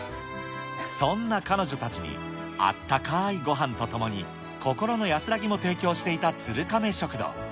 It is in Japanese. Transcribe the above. そんな彼女たちに、あったかーいごはんとともに、心の安らぎも提供していたつるかめ食堂。